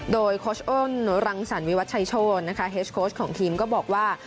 โดยโค้ชอ้นรังสรรวิวัตชัยโชธนะคะเฮสโค้ชของทีมก็บอกว่า